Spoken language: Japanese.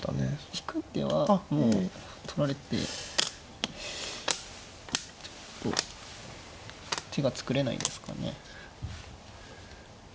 引く手はもう取られてちょっと手が作れないんですかね。